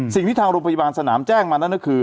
สิ่งที่ทางโรงพยาบาลสนามแจ้งมานั้นก็คือ